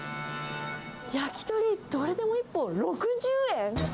焼き鳥、どれでも１本６０円？